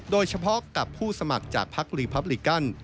โดยเฉพาะกับผู้สมัครจากพักรีพับลิกัน